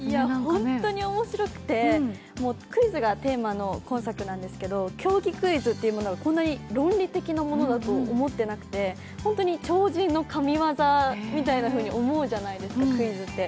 本当に面白くて、クイズがテーマの今作なんですけど競技クイズというのがこんなに論理的なものだと思ってなくて本当に超人の神業みたいに思うじゃないですか、クイズって。